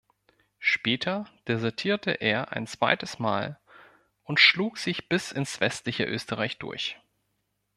Später desertierte er ein zweites Mal und schlug sich bis ins westliche Österreich durch.